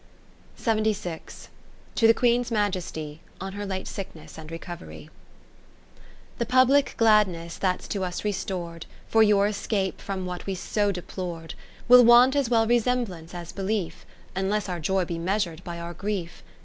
To the Queen's Majesty, on her late Sickness and Recovery The public gladness that 's to us restor'd, For your escape from what we so deplor'd, Will want as well resemblance as belief. Unless our joy be measur'd by our grief.